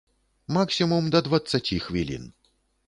Максімум да дваццаці хвілін.